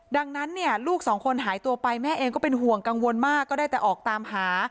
ดังนั้นเนี่ยลูกสองคนหายตัวไปแม่เองก็เป็นห่วงกังวลมากก็ได้แต่ออกตามหา